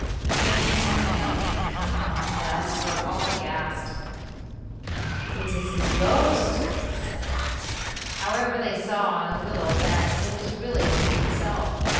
The family, seeing the young man come home thus, were all aghast. "It is his ghost," said they. However, they saw in a little that it was really he himself.